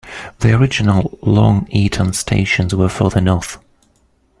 The original Long Eaton stations were further north.